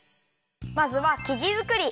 まずはきじづくり！